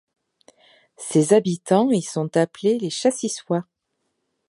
Ses habitants sont appelés les Chassyssois.